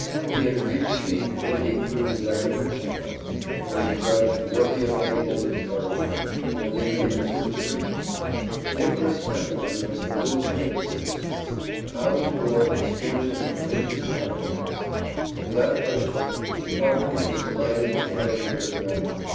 He had reached the Committee through the regular channel was adjudged worthy of aid and encouragement, and they gave it to him freely. Nickless Templeman was the loser in this instance; how he bore the misfortune the Committee was not apprised. Without question, the property was delighted with getting rid of the owner.